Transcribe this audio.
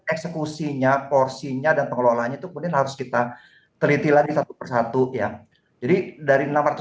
eksekusinya porsinya dan pengelolaannya itu kemudian harus kita teliti lagi satu persatu ya jadi dari